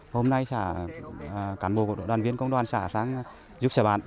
hôm nay xã cán bộ của đội đoàn viên công đoàn xã sang giúp xã văn